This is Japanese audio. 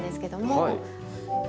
はい。